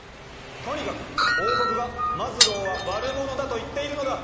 とにかく王国がマズローは悪者だと言っているのだ！